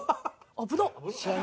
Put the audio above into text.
危なっ